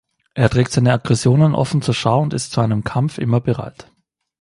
Er trägt seine Aggressionen offen zur Schau und ist zu einem Kampf immer bereit.